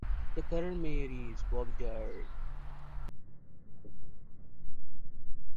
The current mayor is Bobby Dyer.